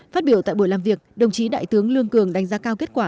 phát biểu tại buổi làm việc đồng chí đại tướng lương cường đánh giá cao kết quả